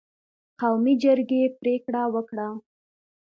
قومي جرګې پرېکړه وکړه